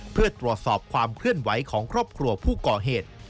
เพื่อตรวจสอบความเคลื่อนไหวของครอบครัวผู้ก่อเหตุ